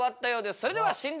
それでは診断